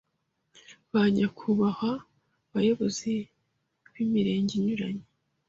Ba nyakubahwa bayobozi b’imirenge inyuranye,